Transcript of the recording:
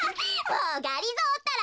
もうがりぞーったら。